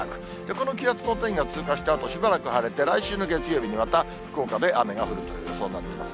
この気圧の谷が通過したあと、しばらく晴れて、来週の月曜日にまた福岡で雨が降るという予想になっています。